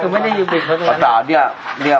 ไม่จริงแต่ไม่มีจริง